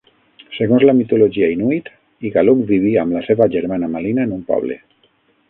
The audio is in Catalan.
Segons la mitologia inuit, Igaluk vivia amb la seva germana Malina en un poble.